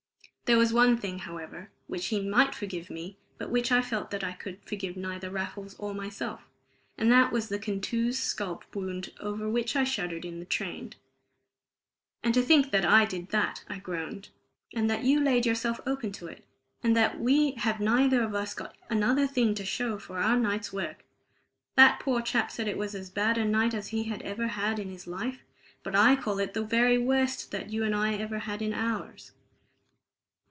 There was one thing, however, which he might forgive me, but which I felt that I could forgive neither Raffles nor myself. And that was the contused scalp wound over which I shuddered in the train. "And to think that I did that," I groaned, "and that you laid yourself open to it, and that we have neither of us got another thing to show for our night's work! That poor chap said it was as bad a night as he had ever had in his life; but I call it the very worst that you and I ever had in ours."